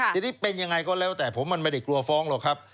ทีนี้เป็นยังไงก็แล้วแต่ผมมันไม่ได้กลัวฟ้องหรอกครับ